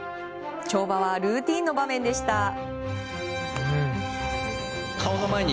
跳馬はルーティンの場面でした。